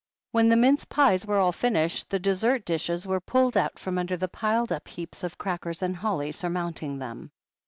When the mince pies were all finished, the dessert dishes were pulled out from under the piled up heaps of crackers and holly surmotmting them.